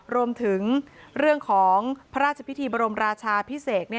รวมถึงเรื่องของพระราชพิธีบรมราชาพิเศษ